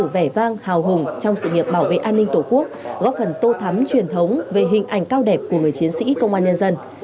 vẻ vang hào hùng trong sự nghiệp bảo vệ an ninh tổ quốc góp phần tô thắm truyền thống về hình ảnh cao đẹp của người chiến sĩ công an nhân dân